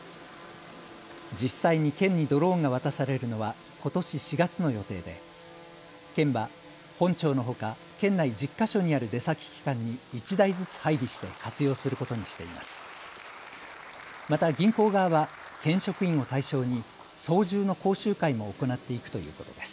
実際に県にドローンが渡されるのはことし４月の予定で県は本庁のほか、県内１０か所にある出先機関に１台ずつ配備して活用することにしています。